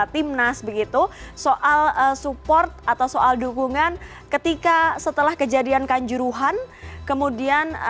timnas begitu soal support atau soal dukungan ketika setelah kejadian kanjuruhan kemudian